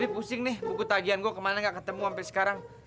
buku tagihan gua kemana gak ketemu sampe sekarang